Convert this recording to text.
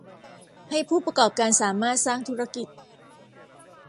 ให้ผู้ประกอบการสามารถสร้างธุรกิจ